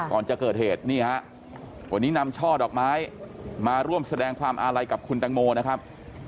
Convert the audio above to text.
ก่อนจะเกิดเหตุนี่ฮะวันนี้นำช่อดอกไม้มาร่วมแสดงความอาลัยกับคุณแตงโมนะครับ